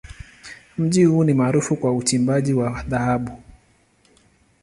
Mji huu ni maarufu kwa uchimbaji wa dhahabu.